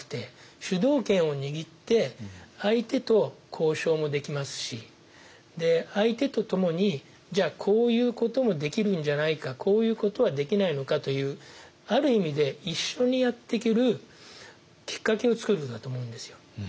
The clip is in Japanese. そうですね。もできますし相手とともにじゃあこういうこともできるんじゃないかこういうことはできないのかというある意味で一緒にやっていけるきっかけを作るんだと思うんですよ。